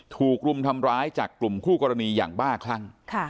ถูกรุมทำร้ายจากกลุ่มคู่กรณีอย่างบ้าคลั่ง